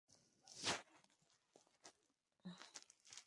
San Vicente fue llevado a Valencia, donde sufrió un largo y terrible martirio.